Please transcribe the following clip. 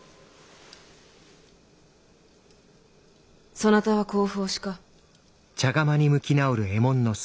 そなたは甲府推しか。